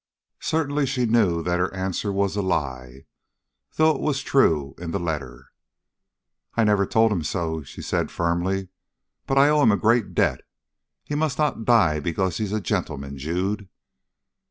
Certainly she knew that her answer was a lie, though it was true in the letter. "I have never told him so," she said firmly. "But I owe him a great debt he must not die because he's a gentleman, Jude."